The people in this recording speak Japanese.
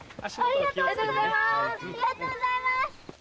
ありがとうございます。